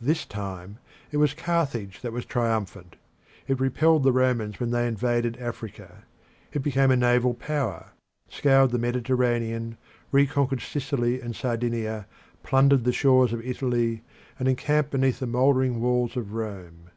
This time it was Carthage that was triumphant. It repelled the Romans when they invaded Africa. It became a naval power, scoured the Mediterranean, re conquered Sicily and Sardinia, plundered the shores of Italy, and encamped beneath the mouldering walls of Rome.